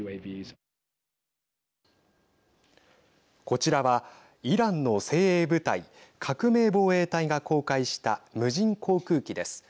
こちらはイランの精鋭部隊革命防衛隊が公開した無人航空機です。